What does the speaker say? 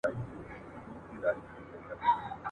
اتلان د وطن ویاړ وي.